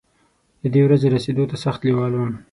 د دې ورځې رسېدو ته سخت لېوال وم.